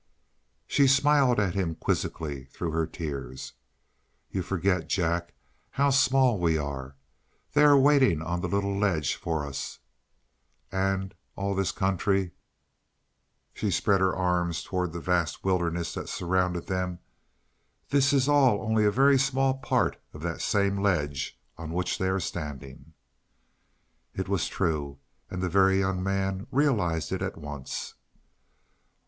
She smiled at him quizzically through her tears. "You forget, Jack, how small we are. They are waiting on the little ledge for us and all this country " She spread her arms toward the vast wilderness that surrounded them "this is all only a very small part of that same ledge on which they are standing." It was true; and the Very Young Man realized it at once.